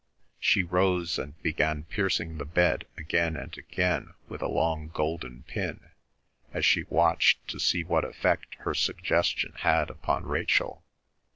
She rose and began piercing the bed again and again with a long golden pin, as she watched to see what effect her suggestion had upon Rachel.